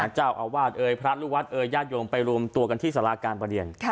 เจ้าอาวาสเอ่ยพระลูกวัดเอ่ยญาติโยมไปรวมตัวกันที่สาราการประเรียน